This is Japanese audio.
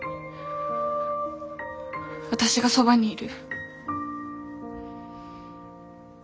私がそばにいる。